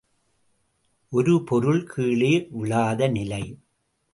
ஒரு பொருள் கீழே விழாத நிலை.